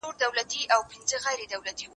خو ستا به و نه کړم د زړګي ارمانونه .